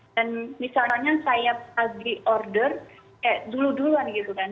dan misalnya saya pagi order dulu duluan gitu kan